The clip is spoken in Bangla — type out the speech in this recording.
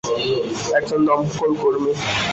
একজন দমকল কর্মী?